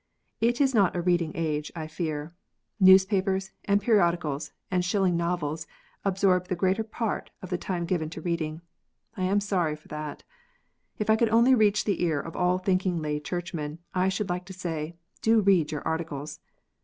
It is not a reading age, I fear. Newspapers, and periodicals, and shilling novels absorb the greater part of the time given to reading. I am sorry for it. If I could only reach the ear of all thinking lay Churchmen, I should like to say, "Do read your Articles."